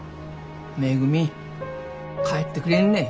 めぐみ帰ってくれんね。